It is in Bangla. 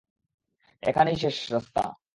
এখানেই রাস্তা শেষ।